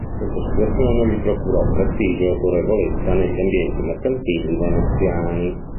Questa situazione gli procurò prestigio e autorevolezza negli ambienti mercantili veneziani.